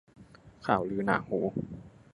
ข่าวลือหนาหู